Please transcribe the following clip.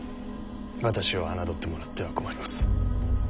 私を侮ってもらっては困ります。